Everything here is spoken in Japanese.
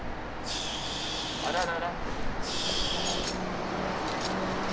あららら。